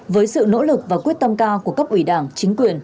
với sự nỗ lực và quyết tâm cao của cấp ủy đảng chính quyền